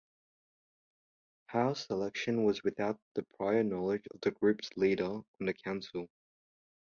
Howes' selection was without the prior knowledge of the group's leader on the Council.